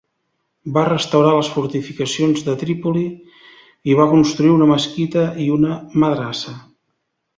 Va restaurar les fortificacions de Trípoli i va construir una mesquita i una madrassa.